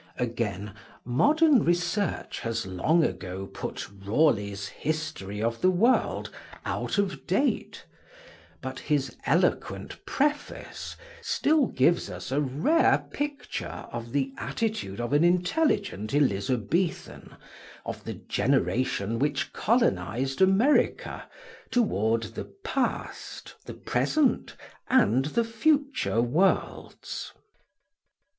Again, modern research has long ago put Raleigh's "History of the World" out of date; but his eloquent Preface still gives us a rare picture of the attitude of an intelligent Elizabethan, of the generation which colonised America, toward the past, the present, and the future worlds.